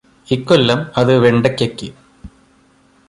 ഇക്കൊല്ലം അത് വെണ്ടയ്ക്കക്ക്